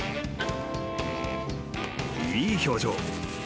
［いい表情。